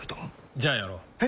じゃあやろう。え？